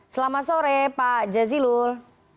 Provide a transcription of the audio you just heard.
selamat sore pak jazilul